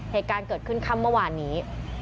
เหตุการณ์เกิดขึ้นค่ำเมื่อวานนี้